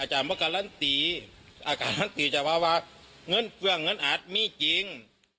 อาจารย์ไม่การันตีอาการันตีจะเพราะว่าเงินเฟืองเงินอาจมีจริง